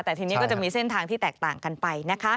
แต่ทีนี้ก็จะมีเส้นทางที่แตกต่างกันไปนะคะ